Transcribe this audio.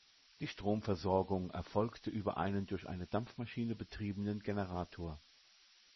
Die Stromversorgung erfolgte über einen durch eine Dampfmaschine betriebenen Generator.